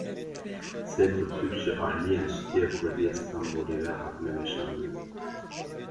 Sê pirtûk ji aliyê Enstîtuya Kurdî ya Stenbolê ve hatine weşandin.